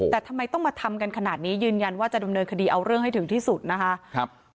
แต่ทำไมต้องมาทำกันขนาดนี้ยืนยันว่าจะดำเนินคดีเอาเรื่องให้ถึงที่สุดนะคะ